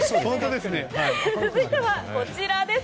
続いてはこちらです。